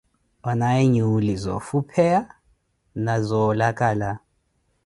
Onaaye nyuuli zoofupheya na zoolakala.